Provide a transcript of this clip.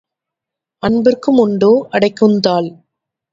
அன்பிற்கும் உண்டோ அடைக்குந்தாழ்